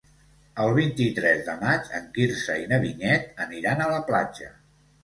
El vint-i-tres de maig en Quirze i na Vinyet aniran a la platja.